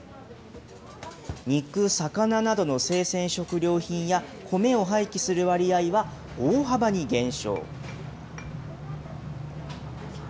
肉、魚などの生鮮食料品や、米を廃棄する割合は大幅に減少。